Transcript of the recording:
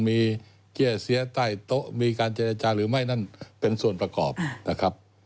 มีเกี้ยเสียใต้โต๊ะมีการเจรจาหรือไม่นั่นเป็นส่วนประกอบนะครับ